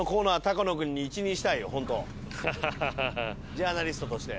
ジャーナリストとして。